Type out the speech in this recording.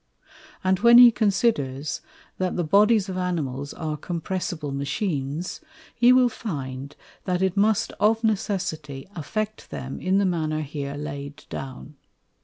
And when he considers, that the Bodies of Animals are compressible Machines, he will find that it must of necessity affect them in the manner here laid down.